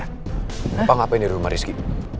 kenapa ngapain di rumah rizky